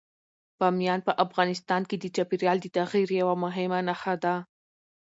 بامیان په افغانستان کې د چاپېریال د تغیر یوه مهمه نښه ده.